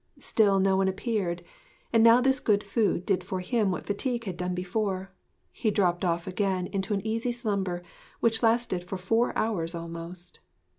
Still no one appeared; and now this good food did for him what fatigue had done before. He dropped off again into an easy slumber which lasted for four hours almost.